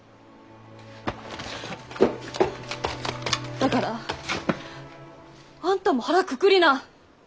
だからあんたも腹くくりな！